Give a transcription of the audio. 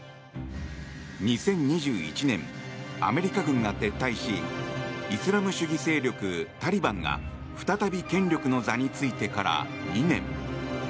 ２０２１年、アメリカ軍が撤退しイスラム主義勢力タリバンが再び権力の座についてから２年。